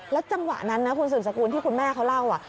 จังหวะนั้นนะคุณสืบสกุลที่คุณแม่เขาเล่า